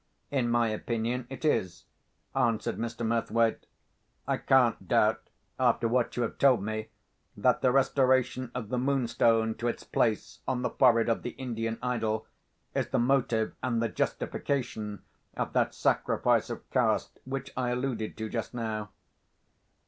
"In my opinion it is," answered Mr. Murthwaite. "I can't doubt, after what you have told me, that the restoration of the Moonstone to its place on the forehead of the Indian idol, is the motive and the justification of that sacrifice of caste which I alluded to just now.